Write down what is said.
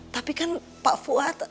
tapi kan pak fuad